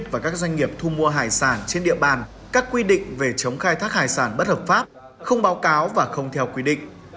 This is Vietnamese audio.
và các doanh nghiệp thu mua hải sản trên địa bàn các quy định về chống khai thác hải sản bất hợp pháp không báo cáo và không theo quy định